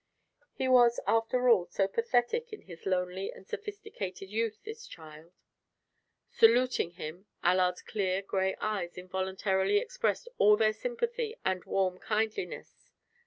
He was after all so pathetic in his lonely and sophisticated youth, this child. Saluting him, Allard's clear gray eyes involuntarily expressed all their sympathy and warm kindliness.